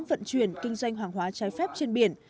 vận chuyển kinh doanh hàng hóa trái phép trên biển